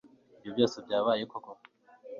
Ibi byose byabayeho koko